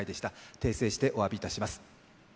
訂正しておわびいたします。